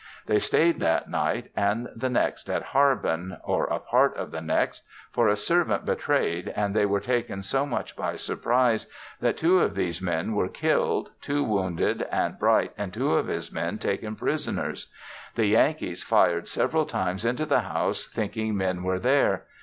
They stayed that night, and the next at Harbin, or a part of the next, for a servant betrayed and they were taken so much by surprise that two of these men were killed, two wounded and Bright and two of his men taken prisoners. The Yankees fired several times into the house thinking men were there.